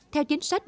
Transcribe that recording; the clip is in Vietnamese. theo chính sách